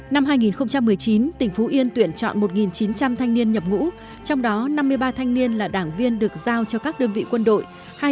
năm hai nghìn một mươi chín tỉnh phú yên tuyển chọn một chín trăm linh thanh niên nhập ngũ trong đó năm mươi ba thanh niên là đảng viên được giao cho các đơn vị quân đội